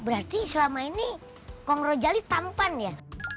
berarti selama ini kongrojali tampan ya